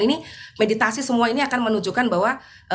ini meditasi semua ini akan menunjukkan bahwa